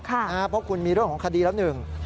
เพราะคุณมีเรื่องของคดีแล้วหนึ่ง